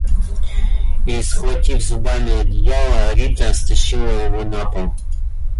И, схватив зубами одеяло, Рита стащила его на пол.